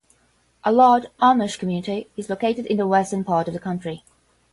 A large Amish community is located in the western part of the county.